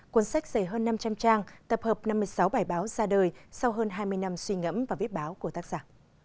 cuốn sách dày hơn năm trăm linh trang tập hợp năm mươi sáu bài báo ra đời sau hơn hai mươi năm suy ngẫm và viết báo của tác giả